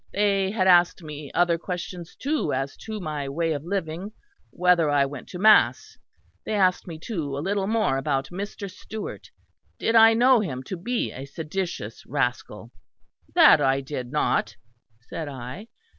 They had asked me other questions too as to my way of living; whether I went to mass. They asked me too a little more about Mr. Stewart. Did I know him to be a seditious rascal? That I did not, said I.